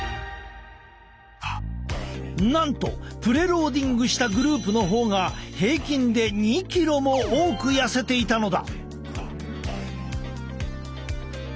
なんとプレ・ローディングしたグループの方が平均で２キロも多く痩せていたのだ。